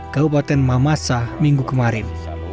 kabupaten mamasa minggu kemarin